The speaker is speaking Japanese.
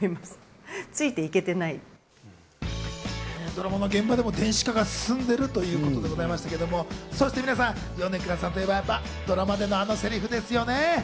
ドラマの現場でも電子化が進んでいるということでございましたけども、そして皆さん米倉さんといえば、ドラマでのあのセリフですよね。